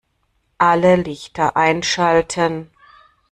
Alle Lichter einschalten